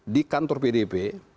di kantor pdp